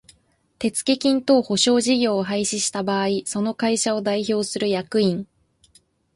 手付金等保証事業を廃止した場合その会社を代表する役員